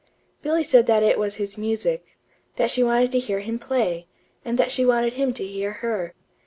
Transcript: Billy said that it was his music; that she wanted to hear him play, and that she wanted him to hear her.